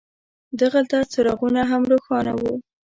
دغلته څراغونه هم روښان وو.